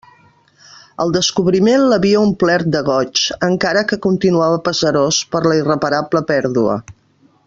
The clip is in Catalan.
El descobriment l'havia omplit de goig, encara que continuava pesarós per la irreparable pèrdua.